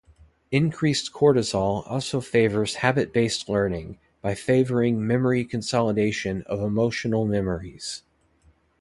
Increased cortisol also favors habit based learning, by favoring memory consolidation of emotional memories.